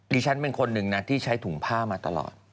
ฉันเป็นคนหนึ่งนะที่ใช้ถุงผ้ามาตลอด